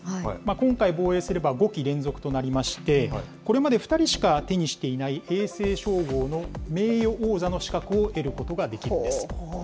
今回防衛すれば５期連続となりまして、これまで２人しか手にしていない永世称号の名誉王座の資格を得ることができるんです。